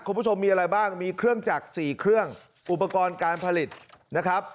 คุณผู้ชมมีอะไรบ้างมีเครื่องจักร๔เครื่องอุปกรณ์การผลิตนะครับ